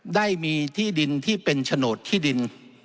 ได้มีที่ดินที่เป็นโฉนดที่ดิน